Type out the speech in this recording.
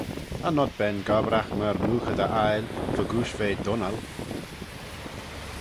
Cha nod ben gobbragh myr moogheyder aile fegooish ve dunnal.